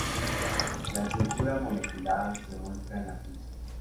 La estructura molecular se muestra en la ficha.